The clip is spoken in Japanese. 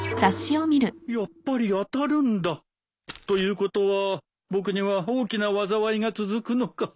やっぱり当たるんだ。ということは僕には大きな災いが続くのか。